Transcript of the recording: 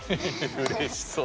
うれしそう。